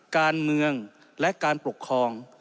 การเมืองและการปกครอง